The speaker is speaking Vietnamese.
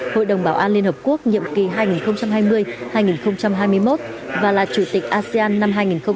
hội đồng bảo an liên hợp quốc nhiệm kỳ hai nghìn hai mươi hai nghìn hai mươi một và là chủ tịch asean năm hai nghìn hai mươi